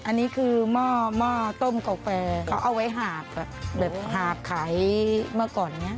อันนี้คือหม้อหม้อต้มกาแฟเขาเอาไว้หาบแบบหาบไขมาก่อนเนี่ย